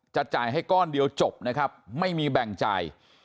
จ่ายให้ก้อนเดียวจบนะครับไม่มีแบ่งจ่าย